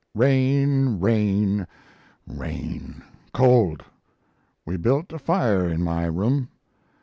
Rain rain rain. Cold. We built a fire in my room.